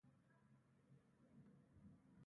ډېری حیوانات، لکه بیزو او انسانشکله غږیزه ژبه لري.